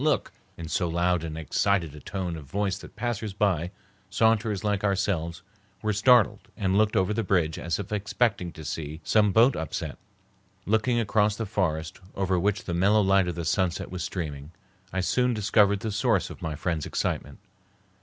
look!" in so loud and excited a tone of voice that passers by, saunterers like ourselves, were startled and looked over the bridge as if expecting to see some boat upset. Looking across the forest, over which the mellow light of the sunset was streaming, I soon discovered the source of my friend's excitement.